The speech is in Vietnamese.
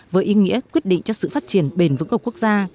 với ý nghĩa quyết định cho sự phát triển bền vững của quốc gia